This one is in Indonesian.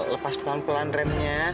lepas pelan pelan remnya